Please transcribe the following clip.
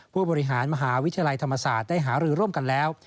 ผู้บริหารมหาวิทยาลัยธรรมศาสตร์ได้หารือร่วมกันแล้ว